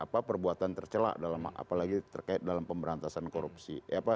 apa perbuatan tercelak apalagi terkait dalam pemberantasan korupsi